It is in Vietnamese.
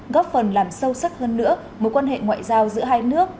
góp phần làm sâu sắc hơn nữa mối quan hệ ngoại giao giữa hai nước